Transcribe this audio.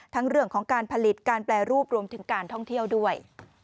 เรื่องของการผลิตการแปรรูปรวมถึงการท่องเที่ยวด้วย